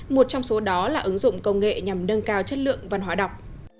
một trong số đó là ứng dụng công nghệ nhằm nâng cao chất lượng văn hóa đọc